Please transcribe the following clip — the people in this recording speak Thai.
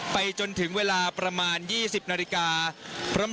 ไปจนถึงเวลาประมาณ๒๐นาฬิกา